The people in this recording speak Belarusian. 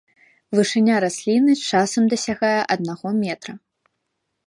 Вышыня расліны часам дасягае аднаго метра.